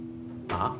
ああ？